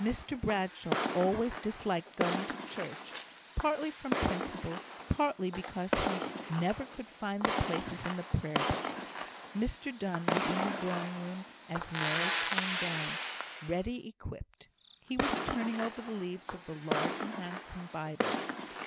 Mr Bradshaw always disliked going to church, partly from principle, partly because he never could find the places in the Prayer book. Mr Donne was in the drawing room as Mary came down ready equipped; he was turning over the leaves of the large and handsome Bible.